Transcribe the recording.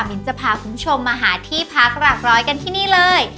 มิ้นจะพาคุณผู้ชมมาหาที่พักหลักร้อยกันที่นี่เลย